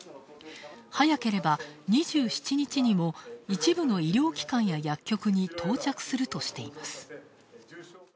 早ければ２７日にも一部の医療機関や薬局に到着するとしています。